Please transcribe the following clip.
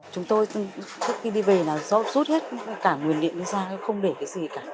chúng tôi trước khi đi về là rút hết cả nguyên điện ra không để cái gì cả